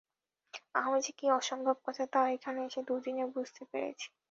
আমি যে কী অসম্ভব কাঁচা, তা এখানে এসে দুদিনে বুঝতে পেরেছি।